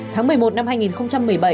tháng một mươi một năm hai nghìn một mươi bảy